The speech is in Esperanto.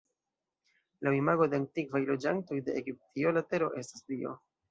Laŭ imago de antikvaj loĝantoj de Egiptio, la tero estas dio.